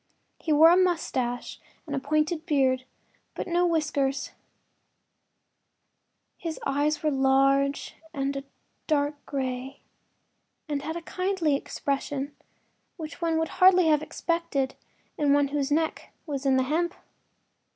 He wore a moustache and pointed beard, but no whiskers; his eyes were large and dark gray, and had a kindly expression which one would hardly have expected in one whose neck was in the hemp.